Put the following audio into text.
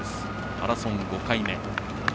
マラソン５回目。